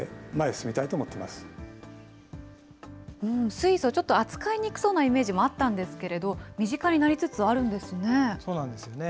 水素、ちょっと扱いにくそうなイメージもあったんですけれど、そうなんですよね。